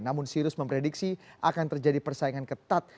namun sirus memprediksi akan terjadi persaingan ketat